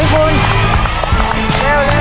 มีทั้งหมด๔จานแล้วนะฮะ